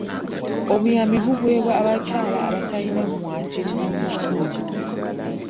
Obuyambi buweebwa abakyala abatalina mwasirizi mu kitundu.